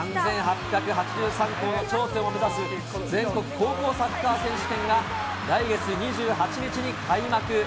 ３８８３校の頂点を目指す全国高校サッカー選手権が、来月２８日に開幕。